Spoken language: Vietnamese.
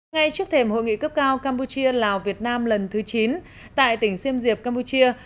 ngay trước thềm hội nghị cấp cao campuchia lào việt nam lần thứ chín tại tỉnh xiêm diệp campuchia